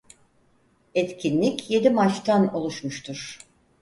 Etkinlik yedi maçtan oluşmuştur.